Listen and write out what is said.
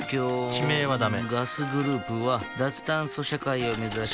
地名はダメ